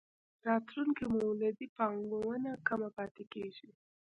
راتلونکې مولدې پانګونه کمه پاتې کېږي.